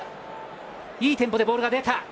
いいテンポでボールが出た。